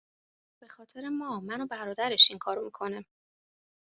به خاطر ما من و برادرش این کارو میکنه